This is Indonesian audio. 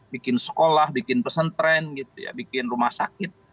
bikin sekolah bikin pesentren bikin rumah sakit